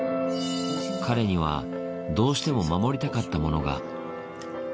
彼にはどうしても守りたかっ